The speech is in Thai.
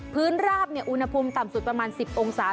พื้นราบเนี่ยอุณหภูมิต่ำสุดประมาณ๑๐องศา